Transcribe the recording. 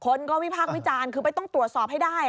คนก็วิพากษ์วิจารณ์คือไม่ต้องตรวจสอบให้ได้